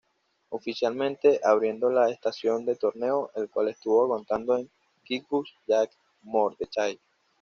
Oficialmente abriendo la estación de torneo, el cual estuvo aguantado en Kibbutz Yad Mordechai.